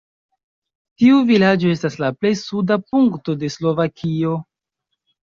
Tiu vilaĝo estas la plej suda punkto de Slovakio.